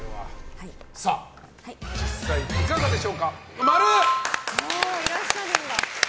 実際、いかがでしょうか？